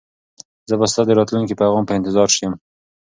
زه به ستا د راتلونکي پیغام په انتظار یم.